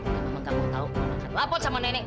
tapi mama gak mau tahu mama akan lapor sama nenek